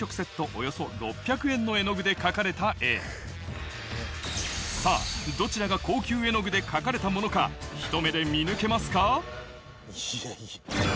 およそ６００円の絵の具で描かれた絵さぁどちらが高級絵の具で描かれたものかひと目で見抜けますか？